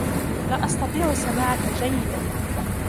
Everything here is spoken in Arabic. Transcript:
لا أستطيع سماعك جيدا